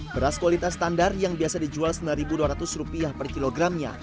beras kualitas standar yang biasa dijual rp sembilan dua ratus per kilogramnya